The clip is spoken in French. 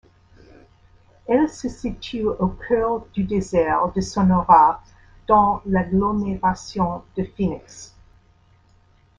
Elle se situe au cœur du désert de Sonora, dans l'agglomération de Phoenix.